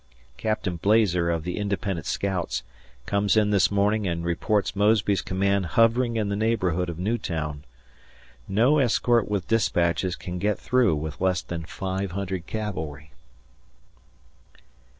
Captain Blazer, of the Independent Scouts, comes in this morning and reports Mosby's command hovering in the neighborhood of Newtown, etc. No escort with dispatches can get through with less than 500 cavalry.